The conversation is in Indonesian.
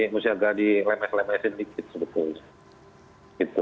mesti agak dilemes lemesin sedikit